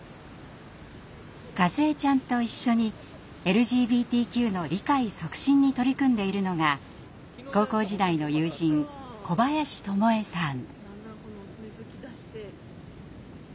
かずえちゃんと一緒にＬＧＢＴＱの理解促進に取り組んでいるのが高校時代の友人小林智映さん。